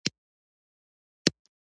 • جديتوب یې له سازش سره بېمینه و.